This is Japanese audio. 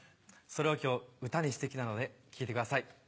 それを今日歌にして来たので聴いてください。